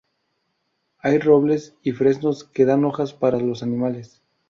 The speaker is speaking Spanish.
Hay robles y fresnos que dan hojas para los animales.